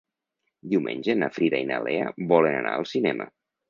Diumenge na Frida i na Lea volen anar al cinema.